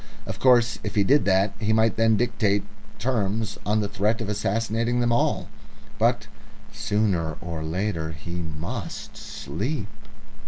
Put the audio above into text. Of course, if he did that, he might then dictate terms on the threat of assassinating them all. But sooner or later he must sleep!...